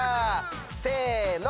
せの！